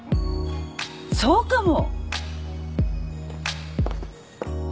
そうかも！